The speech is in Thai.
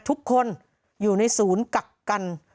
ทุกคนอยู่ในศูนย์กักกัน